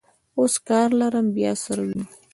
اوس کار لرم، بیا سره وینو.